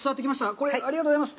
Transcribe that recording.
これ、ありがとうございます。